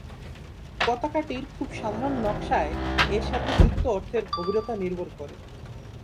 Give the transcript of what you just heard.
পতাকাটির খুব সাধারণ নকশায় এর সাথে যুক্ত অর্থের গভীরতা নির্ভর করে।